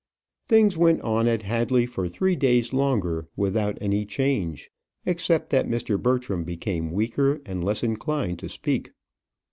Things went on at Hadley for three days longer without any change, except that Mr. Bertram became weaker, and less inclined to speak.